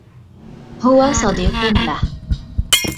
هو صديق له.